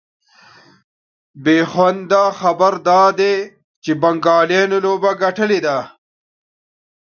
بېخونده خبر دا دی چي بنګالیانو لوبه ګټلې ده